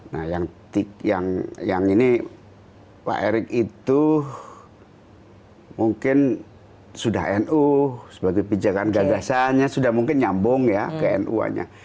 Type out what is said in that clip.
nah yang ini pak erick itu mungkin sudah nu sebagai pijakan gagasannya sudah mungkin nyambung ya ke nu hanya